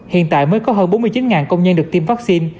hiện tại mới có hơn bốn mươi chín công nhân được tiêm vaccine